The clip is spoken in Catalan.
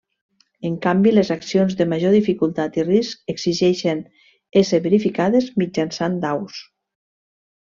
En canvi, les accions de major dificultat i risc exigeixen ésser verificades mitjançant daus.